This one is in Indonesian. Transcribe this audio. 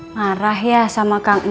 marah ya sama kang